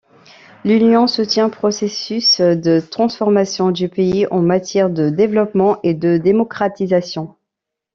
L'Union soutient processus de transformation du pays en matière de développement et de démocratisation.